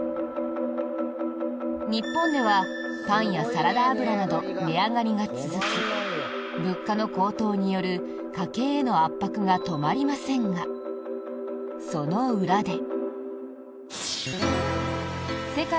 日本ではパンやサラダ油など値上がりが続き物価の高騰による家計への圧迫が止まりませんがその裏で。